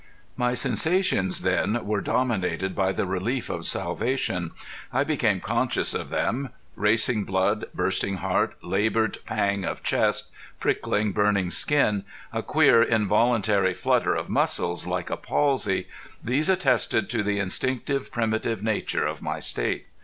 My sensations then were dominated by the relief of salvation. I became conscious of them. Racing blood, bursting heart, labored pang of chest, prickling, burning skin, a queer involuntary flutter of muscles, like a palsy these attested to the instinctive primitive nature of my state.